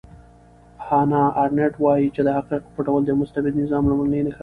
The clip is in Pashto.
هانا ارنټ وایي چې د حقایقو پټول د یو مستبد نظام لومړنۍ نښه ده.